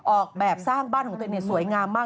ออกแบบสร้างบ้านของตัวเองสวยงามมาก